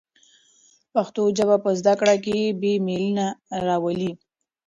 پښتو ژبه په زده کړه کې بې میلي نه راولي.